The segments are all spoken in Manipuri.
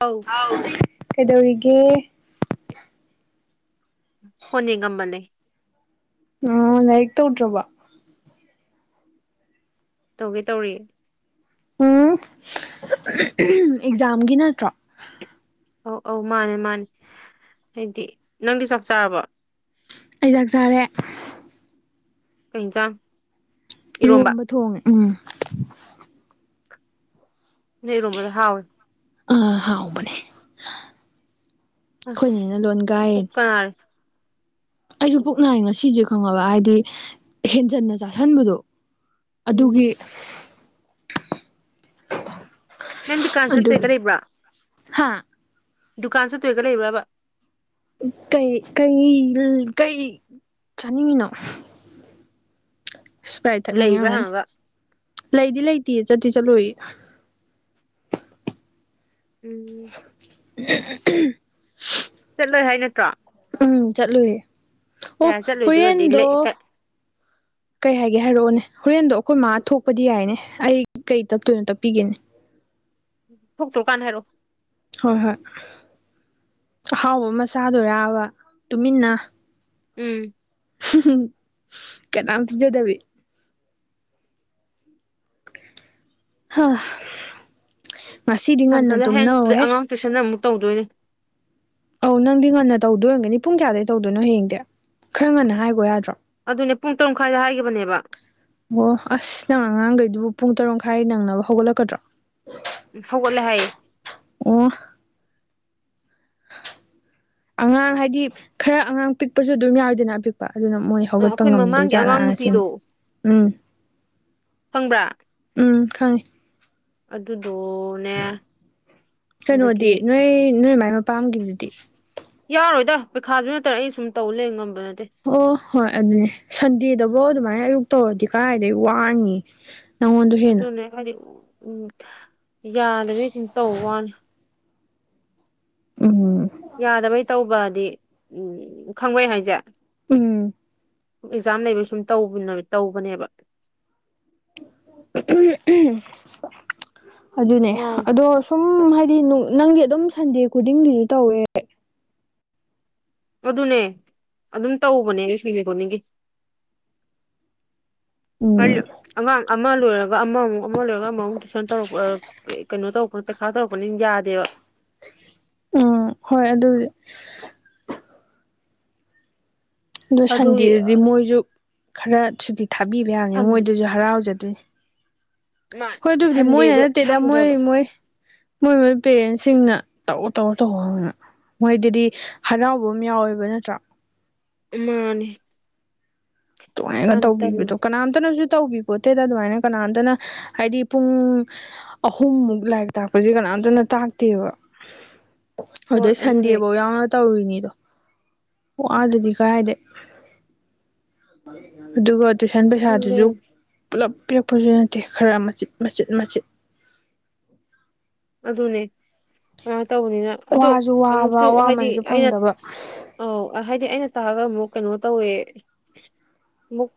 ꯑꯧ ꯑ ꯀꯩꯗꯧꯔꯤꯒꯦ ꯐꫭꯟ ꯌꯦꯡꯉꯝꯕꯅꯦ ꯑꫭ ꯂꯥꯏꯔꯤꯛ ꯇꯧꯗꯔꯕꫭ ꯇꯧꯒꯦ ꯇꯧꯔꯤ ꯎꯝ ꯑꯦꯛꯖꯥꯝꯒꯤ ꯅꯠꯇ꯭ꯔꯣ ꯑꯧ ꯑꯧ ꯃꯥꯅꯦ ꯃꯥꯅꯦ ꯍꯥꯏꯗꯤ ꯅꯪꯗꯤ ꯆꯥꯛ ꯆꯥꯔꯕꯣ ꯑꯩ ꯆꯥꯛ ꯆꯥꯔꯦ ꯀꯩ ꯖꯥꯡ ꯏꯔꯣꯝꯕ ꯊꯣꯡꯉꯦ ꯎꯝ ꯅꯪ ꯏꯔꫭꯝꯕꯗꫭ ꯍꯥꯎꯋꯤ ꯑꯥ ꯍꯥꯎꯕꯅꯦ ꯑꯈꫭꯏ ꯅꯦꯅ ꯂꯣꯟꯒꯥꯏꯔꯤꯅꯤ ꯑꯥ ꯑꯩꯖꯨ ꯄꯨꯛꯅꯥꯏ ꯉꯁꯤꯁꯦ ꯈꯪꯉꯕ ꯍꯥꯏꯗꯤ ꯍꯦꯟꯖꯟꯅ ꯆꯥꯁꯟꯕꯗꯣ ꯎꯝ ꯑꯗꯨꯒꯤ ꯅꯪ ꯗꯨꯀꯥꯟ ꯆꯠ ꯇꫭꯏꯒ ꯂꯩꯕ꯭ꯔꯣ ꯍꯥꯥ ꯗꯨꯀꯥꯟ ꯆꯠꯇꫭꯏꯒ ꯂꯩꯕ꯭ꯔꯕ ꯀꯩ ꯀꯩ ꯀꯩ ꯆꯥꯅꯤꯡꯉꯤꯅꯣ ꯏꯁꯄꯥꯏꯠ ꯊꯛꯅꯤꯡ ꯂꯩꯕ꯭ꯔꯥ ꯑꫭꯏꯔꯝꯒꯅꯤ ꯍꯪꯉꯒ ꯂꯩꯗꯤ ꯂꯩꯇꯤꯌꯦ ꯆꯠꯇꯤ ꯆꯠꯂꫭꯏꯌꯦ ꯎꯝ [unintelligible] ꯆꯠꯂꯣꯏ ꯍꯥꯏ ꯅꯠꯇ꯭ꯔꯣ ꯎꯝ ꯆꯠꯂꯨꯏꯌꯦ ꯑꯣ ꯌꯥꯔꯦ ꯆꯠꯂꯣꯏꯗꯣꯏ ꯑꯣꯏꯔꯗꯤ ꯍꯨꯔꯦꯟꯗꯣ ꯂꯩ ꯀ ꯀꯩ ꯍꯥꯏꯒꯦ ꯍꯥꯏꯔꯣꯅꯦ ꯍꯣꯔꯦꯟꯗꯣ ꯑꯩꯈꯣꯏ ꯃꯥ ꯊꯣꯛꯄꯗꯤ ꯌꯥꯏꯅꯦ ꯑꯩ ꯀꯩ ꯇꯞꯇꯣꯏꯅꯣ ꯇꯞꯄꯤꯒꯦꯅꯦ ꯊꯣꯛꯇ꯭ꯔꯣ ꯀꯥꯟꯅꯗ ꯍꯥꯏꯔꯛꯑꫭ ꯍꯣꯏ ꯍꯣꯏ ꯑꯍꯥꯎꯕ ꯑꯃ ꯆꯥꯗꯣꯏꯔꯥꯕ ꯇꯨꯃꯤꯟꯅ ꯎꯝ ꯀꯅꯥꯝ ꯄꯤꯖꯗꯕꯤ ꯍꯥ ꯉꯁꯤꯗꯤ ꯊꯝ ꯉꯟꯅ ꯆꯠꯂꯦ ꯍꯌꯦꯡ ꯇꯨꯝꯅꯧꯍꯦ ꯑꯉꯥꯡ ꯇꯨꯏꯁꯟ ꯑꯃꯨꯛ ꯇꯧꯗꯣꯏꯅꯤ ꯑꯧ ꯅꯪꯗꯤ ꯉꯟꯅ ꯇꯧꯗꯣꯏꯑꯣꯏꯔꯝꯒꯅꯤ ꯄꯨꯡ ꯀꯌꯥꯗꯒꯤ ꯇꯧꯗꯣꯏꯅꯣ ꯍꯌꯦꯡꯗꯤ ꯈꯔ ꯉꯟꯅ ꯍꯥꯏꯒꯣ ꯌꯥꯗ꯭ꯔꯣ ꯑꯗꯨꯅꯦ ꯄꯨꯡ ꯇꯔꯨꯛ ꯃꯈꯥꯏꯗ ꯍꯥꯏꯒꯤꯕꯅꯦꯕ ꯑꯣ ꯑꯁ ꯅꯪ ꯑꯉꯥꯡꯒꯩꯗꯨꯕꯨ ꯄꯨꯡ ꯇꯔꯨꯛ ꯃꯈꯥꯏ ꯅꯪꯅꯕ ꯍꯧꯒꯠꯂꯛꯀꯗ꯭ꯔꯣ ꯍꯧꯒꯠꯂꯦ ꯍꯥꯏꯌꯦ ꯑꯣ ꯑꯉꯥꯡ ꯍꯥꯏꯗꯤ ꯈꯔ ꯑꯉꯥꯡ ꯄꯤꯛꯄꯖꯨ ꯑꯗꯨꯝ ꯌꯥꯎꯏꯗꯅ ꯑꯄꯤꯛꯄ ꯑꯗꯨꯅ ꯃꯣꯏ ꯑ ꯍꯧꯒꯠꯄ ꯑꯩꯈꯣꯏ ꯉꯝꯗꯣꯏ ꯃꯃꯥꯡꯒꯤ ꯑꯉꯥꯡ ꯖꯥꯠꯂ ꯁꯤꯅꯤ ꯅꯨꯄꯤꯗꯣ ꯎꯝ ꯈꯪꯕ꯭ꯔꯥ ꯎꯝ ꯈꯪꯉꯦ ꯑꯗꯨꯗꯣ ꯀꯩꯅꯣꯗꯤ ꯅꯣꯏ ꯅꯣꯏ ꯃꯥꯏ ꯃꯄꯥꯝꯒꯤꯗꯨꯗꯤ ꯌꯥꯔꯣꯏꯗ ꯄꯩꯈꯥꯖꯨ ꯅꯠꯇꯅ ꯑꯩ ꯁꯨꯝ ꯇꯧ ꯂꯩ ꯉꯝꯕ ꯅꯠꯇꯦ ꯑꯣ ꯍꯣꯏ ꯑꯗꯨꯅꯦ ꯁꯟꯗꯦꯗꯕꯧ ꯑꯗꯨꯃꯥꯏꯅ ꯑꯌꯨꯛ ꯇꯧꯔꯗꯤ ꯀꯥꯏꯗꯒꯤ ꯋꯥꯔꯅꯤ ꯑꯗꯨꯅꯦ ꯍꯥꯏꯗꯤ ꯎꯝ ꯌꯥꯗꯕꯤ ꯑꯗꯨꯝ ꯇꯧꯕꯋꯥꯅꯤ ꯎꯝ ꯌꯥꯗꯕꯩ ꯇꯧꯕꯗꯤ ꯎꯝ ꯈꯪꯕꯔꯑꯩ ꯍꯥꯏꯖꯦ ꯎꯝ ꯑꯦꯛꯖꯥꯝ ꯂꯩꯕꯩ ꯁꯨꯝ ꯇꯧꯕꯅꯦꯕ ꯑꯗꯨꯅꯦ ꯉꯥꯎꯋꯦ ꯑꯗꯣ ꯁꯨꯝ ꯍꯥꯏꯗꯤ ꯅꯪꯗꯤ ꯑꯗꯨꯝ ꯁꯟꯗꯦ ꯈꯨꯗꯤꯡꯒꯤꯁꯨ ꯇꯧꯋꯦ ꯑꯗꯨꯅꯦ ꯑꯗꯨꯝ ꯇꯧꯕꯅꯦ ꯁꯟꯗꯦꯃꯤ ꯈꯨꯗꯤꯡꯒꯤ ꯎꯝ ꯍꯥꯏꯗꯤ ꯑꯉꯥꯡ ꯑꯃ ꯂꯣꯏꯔꯒ ꯑꯃꯃꯨꯛ ꯑꯃ ꯂꯣꯏꯔꯒ ꯑꯃꯃꯨꯛ ꯇꯨꯏꯁꯟ ꯇꯧꯔꯛꯄ ꯑ ꯀꯩꯅꯣ ꯇꯧꯕ ꯄꯩꯈꯥ ꯇꯧꯔꯛꯄꯅꯤꯅ ꯌꯥꯗꯦꯕ ꯎꯝ ꯍꯣꯏ ꯑꯗꯨꯗꯤ ꯑꯗꯨ ꯑꯗꯨꯒꯤ ꯁꯟꯗꯦꯗꯨꯗꯤ ꯃꯣꯏꯖꯨ ꯈꯔ ꯁꯨꯇꯤ ꯊꯥꯕꯤꯕ ꯌꯥꯕꯅꯤ ꯁꯟꯗꯦ ꯃꯣꯏꯗꯨꯁꯨ ꯍꯔꯥꯎꯖꯗꯣꯏꯅꯤ ꯍꯣꯏ ꯑꯗꯨꯕꯨꯗꯤ ꯃꯣꯏꯅ ꯁꯟꯗꯦꯗꯣ ꯅꯠꯇꯦꯗ ꯃꯣꯏ ꯁꯪꯗ꯭ꯔꯕ ꯃꯣꯏ ꯃꯣꯏ ꯃꯣꯏ ꯄꯦꯔꯦꯟꯁꯁꯤꯡꯅ ꯇꯧ ꯇꯧ ꯇꯧꯋꯣꯅ ꯃꯣꯏꯗꯗꯤ ꯍꯔꯥꯎꯕ ꯑꯃ ꯌꯥꯎꯋꯦꯕ ꯅꯠꯇ꯭ꯔꯥ ꯃꯥꯅꯤ ꯇꯣꯉꯥꯏꯅꯒ ꯇꯜꯂꯤ ꯇꯧꯕꯤꯕꯗꯣ ꯀꯅꯥꯝꯇꯅꯖꯨ ꯇꯧꯕꯤꯕꯣꯠꯇꯦꯗ ꯑꯗꯨꯃꯥꯏꯅ ꯀꯅꯥꯝꯇꯅ ꯍꯥꯏꯗꯤ ꯄꯨꯡ ꯑꯍꯨꯝꯃꯨꯛ ꯂꯥꯏꯔꯤꯛ ꯇꯥꯛꯄꯖꯦ ꯀꯅꯥꯝꯇꯅ ꯇꯥꯛꯇꯦꯕ ꯍꯣꯏ ꯑꯗꯨꯗꯩ ꯑꯗꯨꯅꯦ ꯁꯟꯗꯦꯕꯧ ꯌꯥꯎꯅ ꯇꯧꯔꯤꯅꯤꯗꯣ ꯋꯥꯗꯗꯤ ꯀꯔꯥꯏꯗꯩ ꯑꯗꯨꯒ ꯇꯨꯏꯁꯟ ꯄꯩꯁꯥꯗꯨꯁꯨ ꯄꯨꯂꯞ ꯄꯤꯔꯛꯄꯖꯨ ꯅꯠꯇꯦ ꯈꯔ ꯃꯆꯤꯠ ꯃꯆꯤꯠ ꯃꯆꯤꯠ ꯑꯗꯨꯅꯦ ꯑꯉꯥꯡ ꯇꯧꯕꯅꯤꯅ ꯑꯗꯣ ꯋꯥꯁꯨ ꯋꯥꯕ ꯑꯃꯨꯛꯁꯨ ꯍꯥꯏꯗꯤ ꯑꯋꯥꯃꯟꯁꯨ ꯑꯩꯅ ꯐꯪꯗꯕ ꯑꯧ ꯍꯥꯏꯗꯤ ꯑꯩꯅ ꯇꯥꯛꯑꯒ ꯑꯃꯨꯛ ꯀꯩꯅꯣ ꯇꯧꯋꯦ ꯑꯃꯨꯛ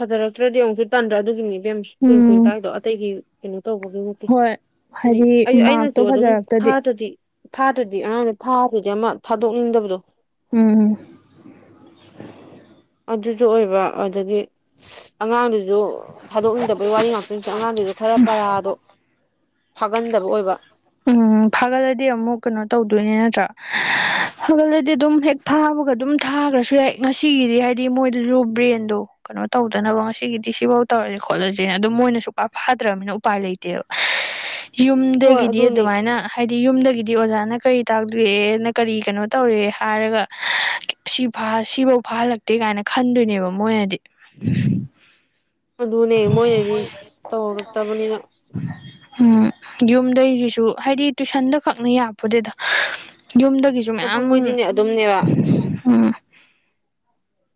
ꯐꯖꯔꯛꯇ꯭ꯔꯗꯤ ꯑꯃꯨꯛꯁꯨ ꯇꯟꯗ꯭ꯔꯥ ꯑꯗꯨꯒꯤꯅꯤ ꯌꯥꯝꯁꯨ ꯀꯨꯏ ꯀꯨꯏ ꯎꯝ ꯇꯥꯛꯏꯗꯣ ꯑꯇꯩꯒꯤ ꯀꯩꯅꯣ ꯇꯧꯕꯒꯤ ꯍꯣꯏ [unintelligible] ꯍꯥꯏꯗꯤ ꯑꯩ ꯃꯥꯔꯛꯇꯣ ꯑꯩꯅꯁꯨ ꯑꯗꯨꯝ ꯐꯖꯔꯛꯇꯗꯤ ꯐꯥꯗ꯭ꯔꯗꯤ ꯐꯥꯗ꯭ꯔꯗꯤ ꯑꯉꯥꯡꯗꯨ ꯐꯥꯗ꯭ꯔꯗꯤ ꯑꯃ ꯊꯥꯗꯣꯛꯅꯤꯡꯗꯕꯗꯣ ꯎꯝ ꯑꯗꯨꯖꯨ ꯑꯣꯏꯕ ꯑꯗꯒꯤ ꯁꯤ ꯑꯉꯥꯡꯗꯨꯖꯨ ꯊꯥꯗꯣꯛꯅꯤꯡꯗꯕꯩ ꯋꯥꯔꯤ ꯉꯥꯛꯇ ꯅꯠꯇ ꯑꯉꯥꯡꯗꯨꯖꯨ ꯈꯔ ꯄꯔꯥꯗꯣ ꯐꯥꯒꯟꯗꯕ ꯑꯣꯏꯕ ꯎꯝ ꯐꯥꯒꯜꯂꯗꯤ ꯑꯃꯨꯛ ꯀꯩꯅꯣ ꯇꯧꯗꯣꯏꯅꯤ ꯅꯠꯇ꯭ꯔꯥ ꯍ ꯐꯒꯜꯂꯗꯤ ꯑꯗꯨꯝ ꯍꯦꯛ ꯐꯥꯕꯒ ꯑꯗꯨꯝ ꯊꯥꯒ꯭ꯔꯁꯨ ꯌꯥꯏ ꯉꯁꯤꯒꯤꯗꯤ ꯍꯥꯏꯗꯤ ꯃꯣꯏꯗꯁꯨ ꯕ꯭ꯔꯦꯟꯗꯣ ꯀꯩꯅꯣ ꯇꯧꯗꯅꯕ ꯉꯁꯤꯒꯤꯗꯤ ꯁꯤꯕꯥꯎ ꯇꯧꯔꯖꯤ ꯈꯣꯠꯂꯁꯦ ꯑꯗꯨꯝ ꯃꯣꯏꯅ ꯁꯨꯛꯄ ꯐꯥꯗ꯭ꯔꯝꯃꯤꯅ ꯎꯄꯥꯏ ꯂꯩꯇꯦꯕ꯫ ꯍꯣꯏ ꯌꯨꯝꯗꯒꯤꯗꯤ ꯑꯗꯨꯅꯦ ꯅ ꯍꯥꯏꯗꯤ ꯌꯨꯝꯗꯒꯤꯗꯤ ꯑꯣꯖꯥꯅ ꯀꯔꯤ ꯇꯥꯛꯗꯨꯌꯦꯅ ꯀꯔꯤ ꯀꯩꯅꯣ ꯇꯧꯔꯦ ꯍꯥꯏꯔꯒ ꯁꯤꯐꯥ ꯁꯤꯕꯧ ꯐꯥꯍꯜꯂꯛꯇꯦ ꯒꯥꯏꯅ ꯈꯟꯗꯣꯏꯅꯦꯕ ꯃꯣꯏꯅꯗꯤ꯫ ꯑꯗꯨꯅꯦ ꯃꯣꯏꯅꯗꯤ ꯇꯧꯔꯛꯇꯕꯅꯤꯅ ꯍꯝ ꯌꯨꯝꯗꯩꯒꯤꯁꯨ ꯍꯥꯏꯗꯤ ꯇꯨꯏꯁꯟꯗ ꯈꯛꯅ ꯌꯥꯄꯣꯇꯦꯗ꯫ ꯌꯨꯝꯗꯒꯤꯁꯨ ꯑꯗꯨ ꯃꯌꯥꯝ ꯃꯣꯏꯗꯤꯅꯦ ꯑꯗꯨꯝꯅꯦꯕ ꯍꯝ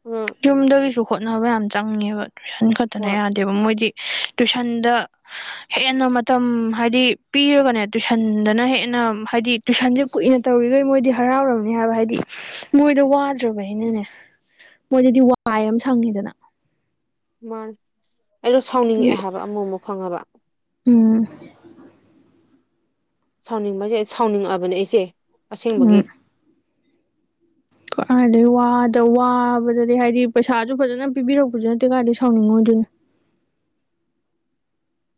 ꯎ ꯌꯨꯝꯗꯒꯤꯁꯨ ꯍꯣꯠꯅꯕ ꯌꯥꯝ ꯆꯪꯉꯦꯕ ꯇꯨꯏꯁꯟ ꯈꯠꯇꯅ ꯍꯣꯏ ꯌꯥ ꯗ‌ꯦꯕ ꯃꯣꯏꯗꯤ ꯇꯨꯏꯁꯟꯗ ꯍꯦꯟꯅ ꯃꯇꯝ ꯍꯥꯏꯗꯤ ꯄꯤꯔꯒꯅꯦ ꯇꯨꯏꯁꯟꯗꯅ ꯍꯦꯟꯅ ꯍꯥꯏꯗꯤ ꯇꯨꯏꯁꯟꯁꯦ ꯀꯨꯏꯅ ꯇꯧꯔꯤꯒꯩ ꯃꯣꯏꯗꯤ ꯍꯔꯥꯎꯔꯝꯅꯤ ꯍꯥꯏꯕ ꯍꯥꯏꯗꯤ ꯃꯣꯏꯗ ꯋꯥꯗ꯭ꯔꯕꯅꯤꯅꯅꯦ꯫ ꯃꯣꯏꯗꯗꯤ ꯋꯥꯏ ꯑꯝ ꯁꯪꯉꯦꯗꯅ꯫ ꯃꯥꯟ ꯑꯩꯗ‌ꯣ ꯑꯗꯨꯒꯤ ꯁꯥꯎꯅꯤꯡꯉꯛꯑꯦ ꯍꯥꯏꯕ ꯑꯃꯨꯃꯨꯛ ꯈꯪꯉꯕ꯫ ꯎꯝ ꯁꯥꯎꯅꯤꯡꯕ ꯖꯦ ꯁꯥꯎꯅꯤꯡꯉꯛꯑꯕꯅꯦ ꯑꯩꯁꯦ ꯑꯁꯦꯡꯕꯒꯤ꯫ ꯀꯔꯥꯏꯗꯩ ꯋꯥꯗ ꯋꯥꯕꯗꯗꯤ ꯍꯥꯏꯗꯤ ꯄꯩꯁꯥꯁꯨ ꯐꯖꯅ ꯄꯤꯕꯤꯔꯛꯄꯁꯨ ꯅꯠꯇꯦ ꯀꯥꯏꯗꯩ ꯁꯥꯎꯅꯤꯡꯉꯣꯏꯗꯣꯏꯅꯣ꯫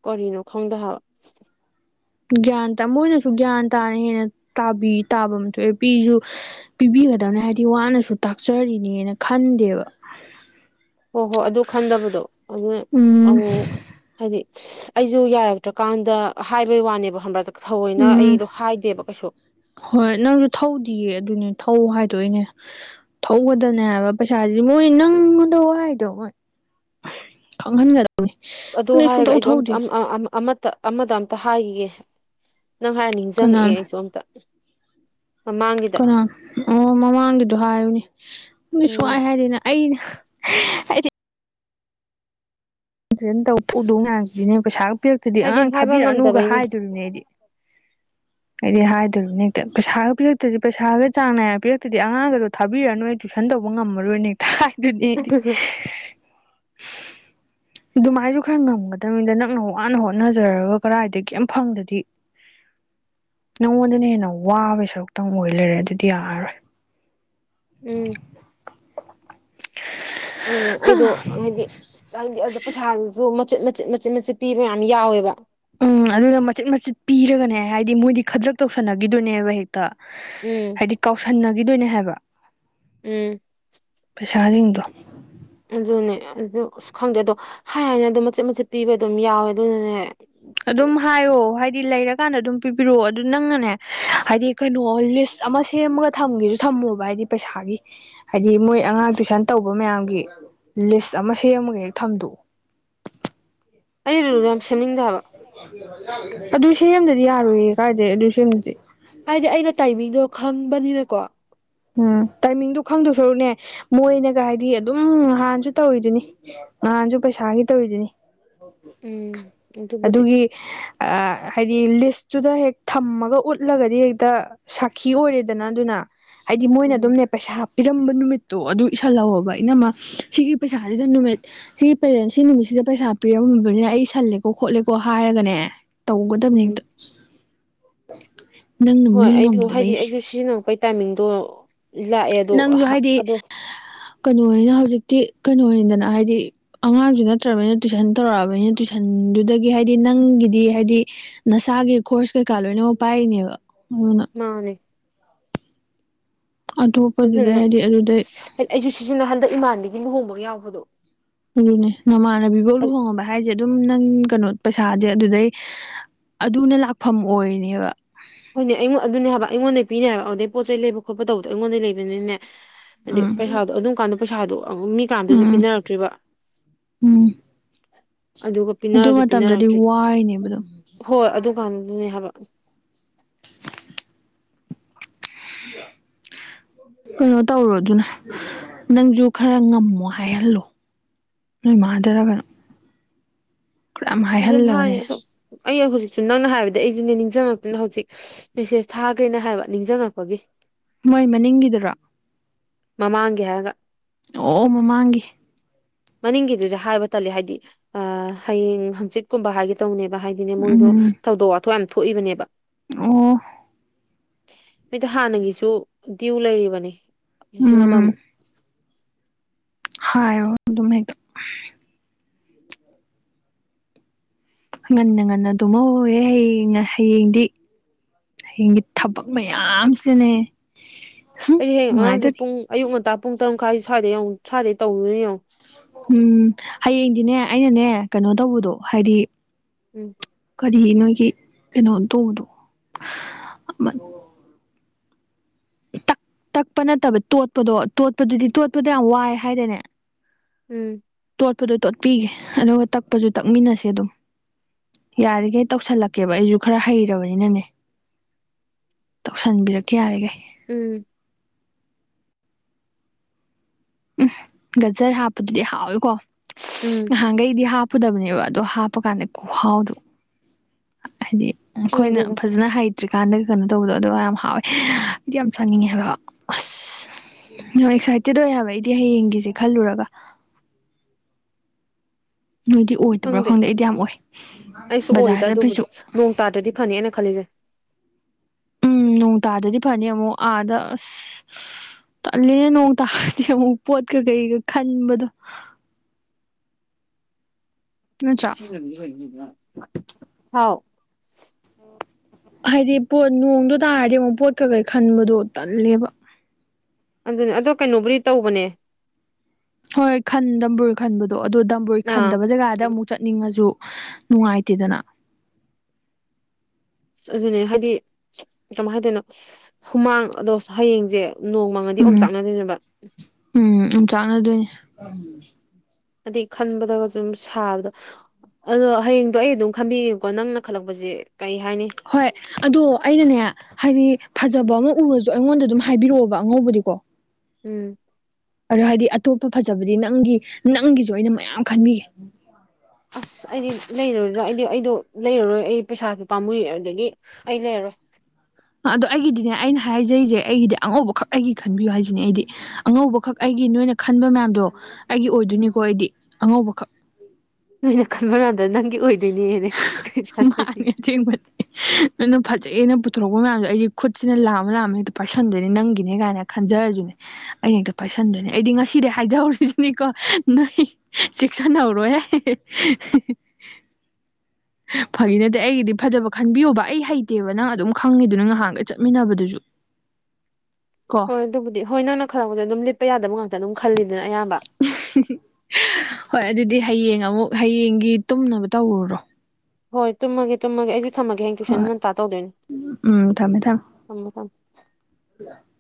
ꯀꯔꯤꯅꯣ ꯈꯪꯗꯦ ꯍꯥꯏꯕ ꯒ꯭ꯌꯥꯟ ꯇꯥ ꯃꯣꯏꯅꯁꯨ ꯒ꯭ꯌꯥꯟ ꯇꯥꯅ ꯍꯦꯟꯅ ꯇꯥꯕꯤ ꯇꯥꯕꯝ ꯊꯣꯛꯑꯦ ꯄꯤꯁꯨ ꯄꯤꯕꯤꯒꯗꯕꯅꯦ ꯍꯥꯏꯗꯤ ꯋꯥꯅꯁꯨ ꯇꯥꯛꯆꯔꯤꯅꯦꯅ ꯈꯟꯗꯦꯕ꯫ ꯍꯣ ꯍꯣ ꯑꯗꯨ ꯈꯟꯗꯕꯗꯣ ꯑꯗꯨꯅ ꯎꯝ ꯑꯃꯨꯃꯨꯛ ꯍꯥꯏꯗꯤ ꯁꯤ ꯑꯩꯖꯨ ꯌꯥꯔꯛꯇ꯭ꯔꯀꯥꯟꯗ ꯍꯥꯏꯕꯩ ꯋꯥꯅꯦꯕ ꯈꯪꯕ꯭ꯔ ꯊꯧꯑꯣꯏꯅ ꯎꯝ ꯑꯩꯗꯣ ꯍꯥꯏꯗꯦꯕ ꯀꯩꯁꯨ꯫ ꯍꯣꯏ ꯅꯪꯖꯨ ꯊꯧꯗꯤꯌꯦ ꯑꯗꯨꯅꯦ ꯊꯧ ꯍꯥꯏꯗꯣ ꯑꯩꯅ꯫ ꯊꯧꯒꯗꯕꯅꯦ ꯍꯥꯏꯕ ꯄꯩꯁꯥꯁꯤ ꯃꯣꯏ ꯅꯪ ꯉꯣꯟꯗ ꯋꯥꯏꯗꯣ ꯃꯣꯏ ꯈꯪꯍꯟꯒꯗ ꯑꯗꯣ ꯍꯥꯏꯔꯒ ꯑꯩꯖꯨ ꯑꯝꯇ ꯑꯝ ꯑ-ꯑꯝ-ꯑꯃꯠꯇ ꯑꯃꯗ ꯑꯝꯇ ꯍꯥꯏꯒꯤꯒꯦ ꯅꯪ ꯍꯥꯏꯔ ꯅꯤꯡꯖꯪꯉꯛꯑꯦ ꯀꯅꯥꯅꯣ ꯑꯩꯁꯨ ꯑꯝꯇ ꯃꯃꯥꯡꯒꯤ ꯀꯅꯥꯟ ꯑꯣ ꯃꯃꯥꯡꯒꯤꯗꯣ ꯍꯥꯏꯌꯨꯅꯦ ꯁ [unintelligible] ꯎꯝ ꯁꯨꯛꯍꯥꯏ ꯍꯥꯏꯗꯦꯅ ꯑꯩꯅ ꯍ [unintelligible] ꯖꯟ ꯇꯧ ꯄꯨꯗꯣ ꯃꯌꯥꯝꯁꯤꯗꯤꯅꯦ ꯄꯩꯁꯥꯒ ꯄꯤꯔꯛꯇꯗꯤ ꯍꯥꯏꯗꯤ ꯑꯉꯥꯡ ꯍꯥꯏꯕ ꯊꯥꯕꯤꯔꯛꯑꯅꯨꯒ ꯉꯝꯗꯕꯩꯅꯦ ꯍꯥꯏꯗꯣꯔꯤꯝꯅꯤ ꯑꯩꯗꯤ꯫ [inaudible] ꯑꯩꯗꯤ ꯍꯥꯏꯗꯣꯔꯤꯝꯅꯤ ꯍꯦꯛꯇ ꯄꯩꯁꯥꯒ ꯄꯤꯔꯛꯇꯗꯤ ꯄꯩꯁꯥꯒ ꯆꯥꯡ ꯅꯥꯏꯅ ꯄꯤꯔꯛꯇꯗꯤ ꯑꯉꯥꯡꯒꯗꯣ ꯊꯥꯕꯤꯔꯛꯑꯅꯨ ꯑꯩ ꯇꯨꯏꯁꯟ ꯇꯧꯕ ꯉꯝꯃꯔꯣꯏꯅ ꯍꯦꯛꯇ ꯍꯥꯏꯗꯣꯏꯅꯦ ꯑꯩꯗꯤ꯫ ꯑꯗꯨꯃꯥꯏꯟꯁꯨ ꯈꯔ ꯉꯝꯒꯗꯕꯅꯤꯗ ꯅꯪꯅ ꯋꯥꯅ ꯍꯣꯠꯅꯖꯔꯒ ꯀꯔꯥꯏꯗꯒꯤ ꯑꯝ ꯐꯪꯗꯗꯤ꯫ ꯅꯉꯣꯟꯗꯅ ꯍꯦꯟꯅ ꯋꯥꯕꯩ ꯁꯔꯨꯛꯇꯪ ꯑꯣꯏ ꯂꯩꯔꯦ ꯑꯗꯨꯗꯤ ꯌꯥꯔꯔꯣꯏ꯫ ꯎꯝ꯫ ꯎꯝ ꯑꯩꯗꯣ ꯍꯥꯏꯗꯤ [unintelligible] ꯑꯗꯣ ꯄꯩꯁꯥꯗꯨꯁꯨ ꯃꯆꯤꯠ ꯃ ꯆꯤꯠ ꯃꯆꯤꯠ ꯃꯆꯤꯠ ꯄꯤꯕ ꯃꯌꯥꯝ ꯌꯥꯎꯋꯦꯕ꯫ ꯎꯝ ꯑꯗꯨꯅ ꯃꯆꯤꯠ ꯃꯆꯤꯠ ꯄꯤꯔꯒꯅꯦ ꯍꯥꯏꯗꯤ ꯃꯣꯏꯗꯤ ꯈꯗ꯭ꯔꯛ ꯇꯧꯁꯟꯅꯒꯤꯗꯨꯏꯅꯦꯕ ꯍꯦꯛꯇ꯫ ꯎꯝ ꯍꯥꯏꯗꯤ ꯀꯥꯎꯁꯟꯅꯈꯤꯗꯣꯏꯅꯦ ꯍꯥꯏꯕ ꯎꯝ ꯄꯩꯁꯥꯁꯤꯡꯗꯣ ꯑꯗꯨꯅꯦ ꯑꯗꯨ ꯑꯁ ꯈꯪꯗꯦ ꯑꯗꯣ ꯍꯥꯏ ꯍꯥꯏꯅ ꯑꯗꯨꯝ ꯃꯆꯤꯠ ꯃꯆꯤꯠ ꯄꯤꯕ ꯑꯗꯨꯝ ꯌꯥꯎꯋꯦ ꯑꯗꯨꯅꯅꯦ ꯑꯗꯨꯝ ꯍꯥꯏꯌꯣ ꯍꯥꯏꯗꯤ ꯂꯩꯔꯛ ꯀꯥꯟꯗ ꯑꯗꯨꯝ ꯄꯤꯕꯤꯔꯛꯑꯣ ꯑꯗꯨ ꯅꯪꯅꯅꯦ ꯍꯥꯏꯗꯤ ꯀꯩꯅꯣ ꯂꯤꯁ ꯑꯃ ꯁꯦꯝꯃꯒ ꯊꯝꯒꯦꯁꯨ ꯊꯝꯃꯣꯕ ꯍꯥꯏꯗꯤ ꯄꯩꯁꯥꯒꯤ ꯍꯥꯏꯗꯤ ꯃꯣꯏ ꯑꯉꯥꯡ ꯇꯨꯏꯁꯟ ꯇꯧꯕ ꯃꯌꯥꯝꯒꯤ ꯂꯤꯁ ꯑꯃ ꯁꯦꯝꯃꯒꯦ ꯍ‌ꯦꯛ ꯊꯝꯗꯣꯛꯎ ꯑꯩ ꯔꯨꯜꯗꯣ ꯌꯥꯝ ꯁꯦꯝꯅꯤꯡꯗꯦ ꯍꯥꯢꯕ ꯑꯗꯨ ꯁꯦꯝꯗ꯭ꯔꯗꯤ ꯌꯥꯔꯣꯏꯌꯦ ꯀꯥꯏꯗꯩ ꯑꯗꯨ ꯁꯦꯝꯗ꯭ꯔꯗꯤ ꯍꯥꯏꯗꯤ ꯑꯩꯅ ꯇꯥꯏꯃꯤꯡꯗꯣ ꯈꯪꯕꯅꯤꯅꯀꯣ ꯎꯝ ꯇꯥꯏꯃꯤꯡꯗꯣ ꯈꯪꯗꯞ ꯁꯔꯨꯛꯅꯦ ꯃꯣꯏꯅꯒ ꯍꯥꯏꯗꯤ ꯑꯗꯨꯝ ꯍꯥꯟꯁꯨ ꯇꯧꯔꯤꯗꯨꯅꯤ ꯅꯍꯥꯟꯁꯨ ꯄꯩꯁꯥꯒꯤ ꯇꯧꯔꯤꯗꯨꯅꯤ ꯎꯝ ꯑꯗꯨꯕꯨꯗꯤ ꯑꯗꯨꯒꯤ ꯑꯥ ꯍꯥꯏꯗꯤ ꯂꯤꯁꯇꯨꯗ ꯍꯦꯛ ꯊꯝꯃꯒ ꯎꯠꯂꯒꯗꯤ ꯍꯦꯛꯇ ꯁꯥꯈꯤ ꯑꯣꯏꯔꯦꯗꯅ ꯑꯗꯨꯅ ꯍꯥꯏꯗꯤ ꯃꯣꯏꯅ ꯑꯗꯨꯝ ꯎꯝ ꯄꯩꯁꯥ ꯄꯤꯔꯝꯕ ꯅꯨꯃꯤꯠꯇꯣ ꯑꯗꯨ ꯏꯁꯜꯍꯧꯔꯣꯕ ꯏꯅꯥꯝꯃꯥ ꯁꯤꯒꯤ ꯄꯩꯁꯥꯁꯤꯗ ꯅꯨꯃꯤꯠ ꯁꯤ ꯁꯤ ꯅꯨꯃꯤꯠꯁꯤꯗ ꯄꯩꯁꯥ ꯄꯤꯔꯝꯃꯕꯅꯤꯅ ꯑꯩ ꯢꯁꯜꯂꯦꯀꯣ ꯈꯣꯠꯂꯦꯀꯣ ꯍꯥꯏꯔꯒꯅꯦ ꯇꯧꯒꯗꯕꯅꯤ ꯍꯦꯛꯇ ꯎꯝ ꯅꯪꯅ ꯍꯣꯏ ꯃꯤ ꯑꯩꯗꯣ ꯍꯥꯏꯗꯤ ꯉꯝꯗꯕꯩꯅꯦ ꯑꯩꯁꯨ ꯁꯤꯖꯤꯟꯅꯔꯛꯄꯩ ꯇꯥꯏꯃꯤꯡꯗꯣ ꯂꯥꯛꯑꯦ ꯑꯗꯣ ꯅꯪꯁꯨ ꯍꯥꯏꯗꯤ ꯑꯗꯣ ꯀꯩꯅꯣ ꯑꯣꯏꯅ ꯍꯧꯖꯤꯛꯇꯤ ꯀꯩꯅꯣꯗꯅ ꯍꯥꯏꯗꯤ ꯑꯉꯥꯡꯁꯨ ꯅꯠꯇ꯭ꯔꯕꯅꯤꯅ ꯇꯨꯏꯁꯟ ꯇꯧꯔꯛꯑꯕꯅꯤꯅ ꯇꯨꯏꯁꯟꯗꯨꯗꯒꯤ ꯍꯥꯏꯗꯤ ꯅꯪꯒꯤꯗꯤ ꯍꯥꯏꯗꯤ ꯅꯁꯥꯒꯤ ꯈꯣꯔꯁ ꯀꯩꯀꯥ ꯂꯣꯏꯅꯃꯛ ꯄꯥꯏꯔꯤꯅꯦꯕ ꯑꯗꯨꯅ ꯃꯥꯅꯦ ꯑꯇꯣꯞꯄꯗꯨꯗꯩ ꯑꯗꯨꯅ ꯍꯥꯏꯗꯤ ꯑꯗꯨꯗꯩ ꯑꯩꯁꯨ ꯁꯤꯖꯤꯟꯅ ꯍꯟꯗꯛ ꯏꯃꯥꯟꯕꯤꯒꯤ ꯂꯨꯍꯣꯡꯕꯒ ꯌꯥꯎꯕꯗꯣ ꯑꯗꯨꯅꯦ ꯅꯃꯥꯟꯅꯕꯤꯕꯧ ꯂꯨꯍꯣꯡꯉꯕ ꯍꯥꯏꯁꯦ ꯑꯗꯨꯝ ꯅꯪ ꯀꯩꯅꯣ ꯄꯩꯁꯥꯥꯁꯦ ꯑꯗꯨꯗꯩ ꯑꯗꯨꯅ ꯂꯥꯛꯐꯝ ꯑꯣꯏꯔꯤꯅꯦꯕ ꯍꯣꯏꯅꯦ ꯑꯩꯉꯣꯟ ꯑꯗꯨꯅꯦ ꯍꯥꯏꯕ ꯑꯩꯉꯣꯟꯗꯩ ꯄꯤꯔꯤꯅꯦ ꯍꯥꯏꯕ ꯑꯗꯨꯗꯩ ꯄꯣꯠ ꯆꯩ ꯂꯩꯕ ꯈꯣꯠꯄ ꯇꯧꯕꯗꯣ ꯑꯩꯉꯣꯟꯗ ꯂꯩꯕꯅꯤꯅꯦ ꯑꯗ ꯎꯝ ꯄꯩꯁꯥꯗꯣ ꯑꯗꯨꯝ ꯀꯥꯟꯗꯣ ꯄꯩꯁꯥꯗꯣ ꯃꯤꯀꯥꯅꯥꯝꯗꯁꯨ ꯎꯝ ꯄꯤꯅꯔꯛ ꯇ꯭ꯔꯤꯕ ꯎꯝ ꯑꯗꯨꯒ ꯑꯗꯨ ꯄꯤꯅꯔꯁꯨ ꯃꯇꯝꯗꯗꯤ ꯄꯤꯅꯔꯛꯇ꯭ꯔꯤ ꯋꯥꯔꯤꯅꯦꯕ ꯑꯗꯨꯝ ꯍꯣꯏ ꯑꯗꯨꯀꯥꯟꯗꯨꯅꯦ ꯍꯥꯏꯕ ꯍ [inaudible] ꯀꯩꯅꯣ ꯇꯧꯔꯣ ꯑꯗꯨꯅ ꯅꯪꯁꯨ ꯈꯔ ꯉꯝꯃꯣ ꯍꯥꯏꯍꯜꯂꯣ ꯅꯣꯏ ꯃꯥꯗꯔꯥ ꯀꯩꯅꯣ ꯈꯔ ꯌꯥꯝ ꯑꯗꯨꯝ ꯍꯥꯏꯍꯜꯂꯒꯅꯦ ꯍꯥꯏꯅꯦ ꯑꯗꯣ ꯑꯩ ꯍꯧꯖꯤꯛꯁꯨ ꯅꯪꯅ ꯍꯥꯏꯕꯗꯩ ꯑꯩꯁꯨꯅꯦ ꯅꯤꯡꯁꯤꯡꯉꯛꯇꯅ ꯍꯧꯖꯤꯛ ꯃꯤꯁꯦꯁ ꯊꯥꯈ꯭ꯔꯤꯅꯦ ꯍꯥꯏꯕ ꯅꯤꯡꯁꯤꯡꯉꯛꯄꯒꯤ ꯃꯣꯏ ꯃꯅꯤꯡꯒꯤꯗꯨꯔꯣ ꯃꯃꯥꯡꯒꯤ ꯍꯥꯏꯔꯒ ꯑꯣ ꯃꯃꯥꯡꯒꯤ ꯃꯅꯤꯡꯒꯤꯗꯨꯗꯤ ꯍꯥꯏꯕ ꯇꯜꯂꯤ ꯍꯥꯏꯗꯤ ꯑ ꯍꯌꯦꯡ ꯍꯪꯆꯤꯠꯀꯨꯝꯕ ꯍꯥꯏꯒꯦ ꯇꯧꯅꯦꯕ ꯍꯥꯏꯗꯤ ꯑꯗꯨꯅꯦ ꯃꯣꯏꯗꯣ ꯎꯝ ꯊꯧꯗꯣꯛ ꯋꯥꯊꯣꯛ ꯌꯥꯝ ꯊꯣꯛꯏꯕꯅꯦꯕ ꯑꯣ ꯍꯣꯢꯗ ꯍꯥꯟꯅꯒꯤꯁꯨ ꯗ꯭ꯌꯨ ꯂꯩꯔꯤꯕꯅꯦ ꯂꯤꯁꯤꯡ ꯎꯝ ꯑꯃꯃꯨꯛ ꯍꯥꯏꯌꯨ ꯑꯗꯨꯝ ꯍꯦꯛꯇ ꯉꯟꯅ ꯉꯟꯅ ꯇꯨꯝꯍꯧꯍꯦ ꯍꯌꯦꯡ ꯍꯌꯦꯡꯗꯤ ꯍꯌꯦꯡꯒꯤ ꯊꯕꯛ ꯃꯌꯥꯝ ꯁꯤꯅꯅꯦ ꯑꯩꯗꯤ ꯍꯌꯦꯡ ꯑꯉꯥꯡꯁꯨ ꯄꯨꯡ ꯑꯌꯨꯛ ꯉꯟꯇꯥ ꯄꯨꯡ ꯇꯔꯨ ꯃꯈꯥꯏ ꯁ꯭ꯋꯥꯗ ꯁ꯭ꯋꯥꯏꯗ ꯇꯧꯗꯧꯢꯅꯦ ꯌꯦꯡꯉꯣ ꯎꯝ ꯍꯌꯦꯡꯗꯤꯅꯦ ꯑꯩꯅꯅꯦ ꯀꯩꯅꯣ ꯇꯧꯕꯗꯣ ꯍꯥꯏꯗꯤ ꯎꯝ ꯀꯔꯤ ꯅꯣꯏꯒꯤ ꯀꯩꯅꯣ ꯇꯧꯕꯗꯣ ꯇꯛ ꯇꯛꯄ ꯅꯠꯇꯕ ꯇꯣꯠꯄꯗꯣ ꯇꯣꯠꯄꯗꯨꯗꯤ ꯇꯣꯠꯄꯗ ꯌꯥꯝ ꯋꯥꯏ ꯍꯥꯏꯗꯥꯢꯅꯦ꯫ ꯎꯝ꯫ ꯇꯣꯠꯄꯗꯣ ꯇꯣꯠꯄꯤꯒꯦ ꯑꯗꯨꯒ ꯇꯛꯄꯁꯨ ꯇꯛꯃꯤꯟꯅꯁꯦ ꯑꯗꯨꯝ꯫ ꯌꯥꯔꯤꯈꯩ ꯇꯧꯁꯜꯂꯛꯀꯦꯕ ꯑꯩꯁꯨ ꯈꯔ ꯍꯩꯔꯕꯅꯤꯅꯅꯦ ꯇꯧꯁꯟꯕꯤꯔꯛꯀꯦ ꯌꯥꯔꯤꯒꯩ ꯎꯝ ꯎꯝ ꯒꯖꯔ ꯍꯥꯞꯄꯗꯨꯗꯤ ꯍꯥꯎꯋꯤꯀꯣ ꯎꯝ [unintelligible] ꯉꯍꯥꯟꯈꯩꯗꯤ ꯍꯥꯞ ꯄꯨꯗꯕꯅꯦꯕ ꯑꯗꯣ ꯍꯥꯞꯄꯀꯥꯟꯗ ꯈꯨꯨꯍꯥꯎꯗꯣ ꯍꯥꯏꯗꯤ ꯑꯩꯈꯣꯏꯅ ꯈꯪꯗꯦꯗ ꯐꯖꯅ ꯍꯩ ꯇ꯭ꯔꯤꯀꯥꯟꯗꯗꯒꯤ ꯀꯩꯅꯣ ꯇꯧꯕꯗꯣ ꯑꯗꯨꯒ ꯌꯥꯝ ꯍꯥꯎꯋꯦ ꯑꯩꯗꯤ ꯌꯥꯝ ꯆꯥꯅꯤꯡꯉꯦꯕ ꯑꯁ [unintelligible] ꯑꯦꯛꯁꯥꯏꯇꯦꯠ ꯑꯣꯏ ꯍꯥꯏꯕ ꯑꯩꯗꯤ ꯍꯌꯦꯡꯒꯤꯁꯦ ꯈꯜꯂꯨꯔꯒ꯫ ꯅꯣꯏꯗꯤ ꯑꯣꯏꯗꯕ꯭ꯔꯥ ꯈꯪꯗꯦ ꯑꯩꯗꯤ ꯌꯥꯝ ꯑꯣꯏ ꯑꯩꯁꯨ ꯑꯣꯏꯗ ꯕꯖꯥꯔ ꯑꯗꯨꯕꯨꯗꯤ ꯆꯠꯄꯩꯁꯨ꯫ ꯅꯣꯡ ꯇꯥꯗ꯭ꯔꯗꯤ ꯐꯅꯦ ꯑꯩꯅ ꯈꯜꯂꯤꯁꯦ꯫ ꯎꯝ ꯅꯣꯡ ꯇꯥꯗꯗꯤ ꯐꯅꯤ ꯑꯃꯨꯛ ꯑꯥꯗ ꯑꯁ ꯇꯠꯂꯤꯍꯦ ꯅꯣꯡ ꯇꯥꯔꯗꯤ ꯑꯃꯨꯛ ꯄꯣꯠꯀ ꯀꯩꯒ ꯈꯟꯕꯗꯣ꯫ ꯅꯠꯇ꯭ꯔꯥ [unintelligible] ꯍꯥꯎ ꯍꯥꯏꯗꯤ ꯄꯣꯠ ꯅꯣꯡꯗꯨ ꯇꯥꯔꯗꯤ ꯑꯃꯨꯛ ꯄꯣꯠꯀꯀꯩ ꯈꯟꯕꯗꯣ ꯇꯜꯂꯦꯕ꯫ ꯑꯗꯨꯅꯦ ꯑꯗꯣ ꯀꯩꯅꯣꯕꯨꯗꯤ ꯇꯧꯕꯅꯦ꯫ ꯍꯣꯏ ꯈꯟ ꯗꯝꯕꯨꯔ ꯈꯟꯕꯗꯣ ꯑꯗꯣ ꯗꯝꯕꯨꯔ ꯑꯥ ꯈꯟꯗꯕ ꯖꯒꯥꯗ ꯑꯃꯨꯛ ꯆꯠꯅꯤꯡꯉꯁꯨ ꯅꯨꯡꯉꯥꯏꯇꯦꯗꯅ꯫ ꯑꯗꯨꯅꯦ ꯍꯥꯏꯗꯤ ꯀꯃꯥꯏ ꯍꯥꯏꯗꯣꯏꯅꯣ ꯍꯨꯃꯥꯡ ꯑꯗꯣ ꯍꯌꯦꯡꯁꯦ ꯅꯣꯡ ꯃꯪꯉꯗꯤ ꯎꯝ ꯑꯣꯝꯆꯥꯛ ꯅꯗꯣꯏꯅꯦꯕ꯫ ꯎꯝ ꯑꯣꯝꯆꯥꯛꯅꯗꯣꯏꯅꯦ꯫ ꯑꯗꯩ ꯈꯟꯕꯗꯒꯁꯨꯝ ꯁꯥꯕꯗ ꯑꯗꯣ ꯍꯌꯦꯡꯗꯣ ꯑꯩ ꯑꯗꯨꯝ ꯈꯟꯕꯤꯒꯦꯀꯣ ꯅꯪꯅ ꯈꯜꯂꯛꯄꯁꯦ ꯀꯩ ꯍꯥꯏꯅꯤ ꯍꯣꯏ ꯑꯗꯣ ꯑꯩꯅꯅꯦ꯫ ꯍꯥꯏꯗꯤ ꯐꯖꯕ ꯑꯃ ꯎꯔꯁꯨ ꯑꯩꯉꯣꯟꯗ ꯑꯗꯨꯝ ꯍꯥꯏꯕꯤꯔꯛꯑꯣꯕ ꯑꯉꯧꯕꯗꯤꯀꯣ꯫ ꯎꯝ꯫ ꯑꯗꯣ ꯍꯥꯏꯗꯤ ꯑꯇꯣꯞꯄ ꯐꯖꯕꯗꯤ ꯅꯪꯒꯤ ꯅꯪꯒꯤꯁꯨ ꯑꯩꯅ ꯃꯌꯥꯝ ꯈꯟꯕꯤꯒꯦ꯫ ꯑꯁ ꯑꯩꯗꯤ ꯂꯩꯔꯔꯣꯏꯗ ꯑꯩꯗꯤ ꯑꯩꯗꯣ ꯂꯩꯔꯔꯣꯏ ꯑꯩ ꯄꯩꯁꯥꯗꯨ ꯄꯥꯝꯃꯏꯦ ꯑꯗꯨꯗꯒꯤ ꯑꯩ ꯂꯩꯔꯔꯣꯏ꯫ ꯑꯗꯣ ꯑꯩꯒꯤꯗꯤꯅꯦ ꯑꯩꯅ ꯍꯥꯏꯖꯔꯤꯁꯦ ꯑꯩꯒꯤꯗꯤ ꯑꯉꯧꯕ ꯈꯛ ꯑꯩꯒꯤ ꯈꯟꯕꯤꯌꯨ ꯍꯥꯏꯁꯤꯅꯦ ꯑꯩꯗꯤ꯫ ꯑꯉꯧꯕꯈꯛ ꯑꯩꯒꯤ ꯅꯣꯏꯅ ꯈꯟꯕ ꯃꯌꯥꯝꯗꯣ ꯑꯩꯒꯤ ꯎꯝ ꯑꯣꯏꯗꯣꯏꯅꯤꯀꯣ ꯑꯩꯗꯤ ꯑꯉꯧꯕꯈꯛ꯫ ꯅꯣꯏꯅ ꯈꯟꯕ ꯉꯥꯛꯇ ꯅꯪꯒꯤ ꯑꯣꯏꯗꯣꯏꯅꯦꯅꯦ ꯀꯩ ꯆꯥꯖꯔꯤꯒꯦ [unintelligible] ꯅꯪꯅ ꯐꯖꯩꯑꯦꯅ ꯄꯨꯊꯣꯔꯛꯄ ꯃꯌꯥꯝꯗꯣ ꯑꯩꯒꯤ ꯈꯨꯠꯁꯤꯅ ꯂꯥꯃ ꯂꯥꯝꯃ ꯍꯦꯛꯇ ꯄꯥꯔꯁꯟꯗꯨꯅꯤ ꯅꯪꯒꯤꯅꯦ ꯀꯥꯏꯅ꯫ ꯈꯟꯖꯔꯁꯨꯅꯦ ꯑꯩꯅ ꯍꯦꯛꯇ ꯄꯥꯏꯁꯟꯗꯣꯏꯅꯦ ꯑꯩꯗꯤ ꯉꯁꯤꯗꯤ ꯍꯥꯏꯖꯍꯧꯔꯤꯁꯤꯅꯦꯀꯣ ꯅꯪ [unintelligible] ꯆꯦꯛꯁꯟ ꯍꯧꯔꯣꯍꯦ [unintelligible] ꯐꯒꯤ ꯅꯠꯇꯦ ꯑꯩꯒꯤꯗꯤ ꯐꯖꯕ ꯈꯟꯕꯤꯌꯣꯕ ꯑꯩ ꯍꯩꯇꯦꯕ ꯅꯪ ꯑꯗꯨꯝ ꯈꯪꯉꯤꯗꯨꯅ ꯉꯍꯥꯟꯒ ꯆꯠꯃꯤꯟꯅꯕꯗꯨꯁꯨ꯫ [unintelligible] ꯍꯣꯏ ꯑꯗꯨꯕꯨꯗꯤ ꯍꯣꯏ ꯅꯪꯅ ꯈꯜꯂꯛꯄꯗꯤ ꯑꯗꯨꯝ ꯂꯤꯠꯄ ꯌꯥꯗꯕ ꯉꯥꯛꯇ ꯑꯗꯨꯝ ꯈꯜꯂꯤꯗꯅ ꯑꯌꯥꯝꯕ [unintelligible] ꯍꯣꯏ ꯑꯗꯨꯗꯤ ꯍꯌꯦꯡ ꯑꯃꯨꯛ ꯍꯌꯦꯡꯒꯤ ꯇꯨꯝꯅꯕ ꯇꯧꯔꯨꯔꯣ꯫ ꯍꯣꯏ ꯇꯨꯝꯃꯒꯦ ꯇꯨꯝꯃꯒꯦ ꯑꯩꯁꯨ ꯊꯝꯃꯒꯦ ꯍꯌꯦꯡ ꯇꯨꯏꯁꯟ ꯍꯣꯏ ꯉꯟꯇꯥ ꯇꯧꯗꯣꯏꯅꯤ ꯎꯝ ꯊꯝꯃꯦ ꯊꯝꯃꯦ ꯊꯝꯃꯣ ꯊꯝꯃꯣ꯫ [unintelligible]